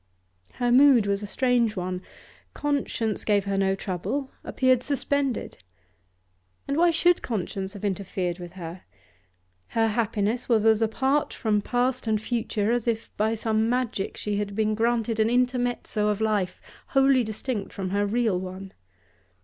Her mood was a strange one; conscience gave her no trouble, appeared suspended. And why should conscience have interfered with her? Her happiness was as apart from past and future as if by some magic she had been granted an intermezzo of life wholly distinct from her real one.